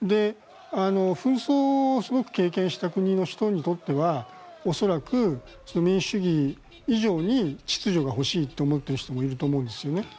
紛争をすごく経験した国の人にとっては恐らく民主主義以上に秩序が欲しいと思っている人もいると思うんですよね。